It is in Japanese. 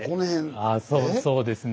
ああそうですね。